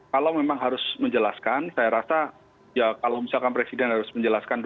kalau memang harus menjelaskan saya rasa ya kalau misalkan presiden harus menjelaskan